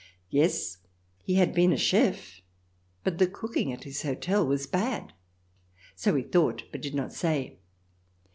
Yes, he had been a chef, but the cooking at his hotel was bad — so we thought, but did not say.